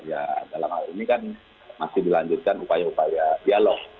ya dalam hal ini kan masih dilanjutkan upaya upaya dialog